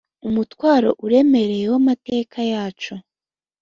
umutwaro uremereye w amateka yacu